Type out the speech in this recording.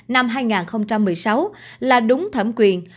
năm hai nghìn một mươi sáu là đúng thẩm quyền